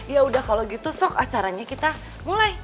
yaudah kalau gitu sok acaranya kita mulai